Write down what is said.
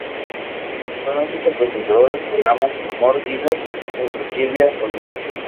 Actualmente es el presentador del programa "Amor-didas" junto a Silvia Olmedo.